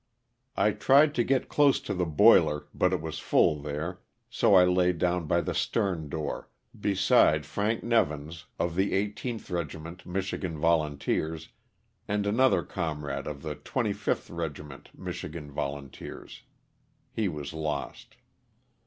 '* I tried to get close to the boiler, but it was full there, so I laid down by the stern door, beside Frank Nevins, of the 18th Regiment, Michigan Volunteers, and another comrade of the 25th Regiment Michigan Volun teer?, (he was lost).